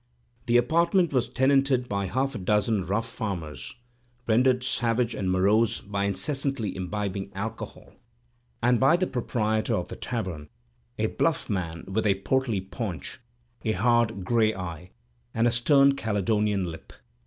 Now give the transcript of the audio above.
This apartment was tenanted by half a dozen rough farmers, rendered savage and morose by incessantly imbibing alcohol; and by the proprietor of the tavern, a bluff man, with a portly paunch, a hard gray eye, and a stern Caledonian lip.